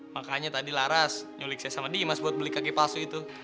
makanya tadi laras nyulik saya sama dimas buat beli kaki palsu itu